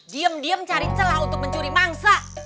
diam diam cari celah untuk mencuri mangsa